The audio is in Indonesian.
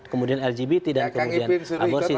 kemudian lgbt dan kemudian aborsi